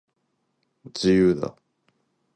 自由だ